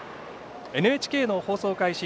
ＮＨＫの放送開始